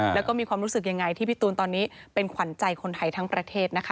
แล้วก็มีความรู้สึกยังไงที่พี่ตูนตอนนี้เป็นขวัญใจคนไทยทั้งประเทศนะคะ